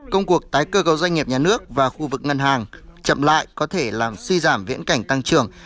công cuộc tái cơ cấu doanh nghiệp nhà nước và khu vực ngân hàng chậm lại có thể làm suy giảm viễn cảnh tăng trưởng